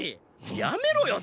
やめろよ！